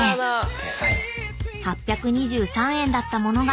［８２３円だった物が］